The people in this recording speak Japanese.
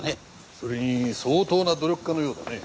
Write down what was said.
それに相当な努力家のようだね。